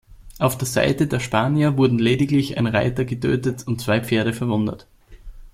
Auf der Seite der Spanier wurden lediglich ein Reiter getötet und zwei Pferde verwundet.